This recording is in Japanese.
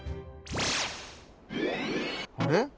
あれ？